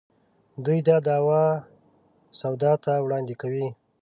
دوی دا دعوه سودا ته وړاندې کوي.